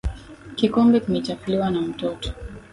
Kikombe kimechafuliwa na mtoto.